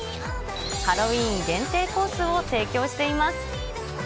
ハロウィーン限定コースを提供しています。